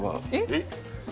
えっ？